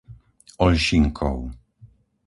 Oľšinkov